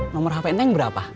nomor hp neng berapa